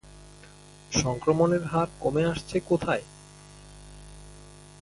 সংক্রমণের হার কমে আসছে কোথায়?